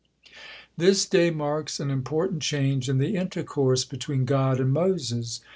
This day marks an important change in the intercourse between God and Moses.